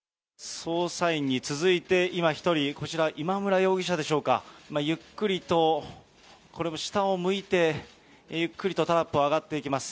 捜査員に続いて、今、１人、こちら、今村容疑者でしょうか、ゆっくりと、これも下を向いて、ゆっくりとタラップを上がっていきます。